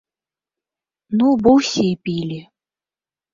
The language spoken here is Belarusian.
Ну бо ўсе пілі.